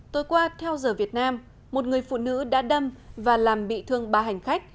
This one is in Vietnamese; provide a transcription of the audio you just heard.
tối qua theo giờ việt nam một người phụ nữ đã đâm và làm bị thương ba hành khách